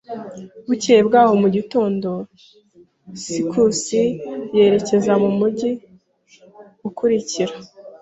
Bukeye bwaho mu gitondo, sikusi yerekeza mu mujyi ukurikira.